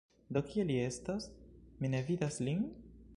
Do kie li estas? Mi ne vidas lin?